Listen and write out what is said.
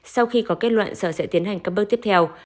sau khi có kết luận sở sẽ tiến hành các bước tiếp theo